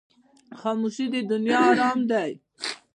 خاموشي، د دنیا آرام دی.